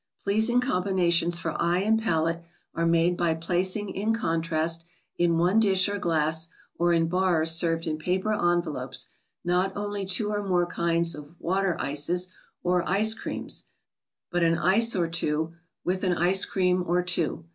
Pleasing combinations for eye and palate are made by placing in contrast, in one dish or glass, or in bars served in paper envelopes, not only two or more kinds of water ices or ice creams, but an ice or two with an ice cream or two.